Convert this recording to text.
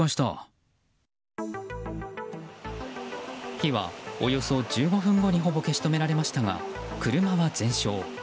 火はおよそ１５分後にほぼ消し止められましたが車は全焼。